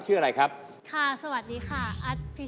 เพราะว่ารายการหาคู่ของเราเป็นรายการแรกนะครับ